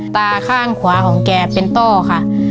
ตาข้างขวาของแกเป็นต้อค่ะ